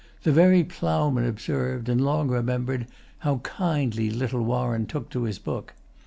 The very ploughmen observed, and long remembered, how kindly little Warren took to his book.